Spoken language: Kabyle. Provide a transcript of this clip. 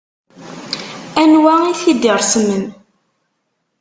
Anwa i t-id-iṛesmen?